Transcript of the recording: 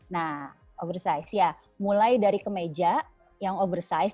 nah oversize ya mulai dari kemeja yang oversize